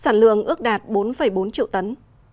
sản lượng ước đạt bốn bốn triệu tấn